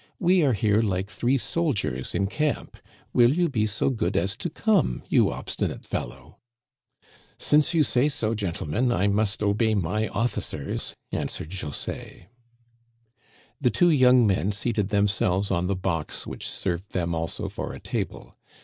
"We are here like three soldiers in camp ; will you be so good as to come, you obstinate fellow ?"" Since you say so, gentlemen, I must obey my ofii cers," answered Jules. Digitized by VjOOQIC 46 THE CANADIANS OF OLD, The two young men seated themselves on the box which served them also for a table.